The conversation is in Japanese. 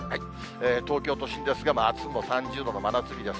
東京都心ですが、あすも３０度の真夏日です。